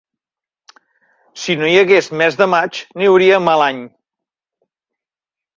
Si no hi hagués mes de maig, no hi hauria mal any.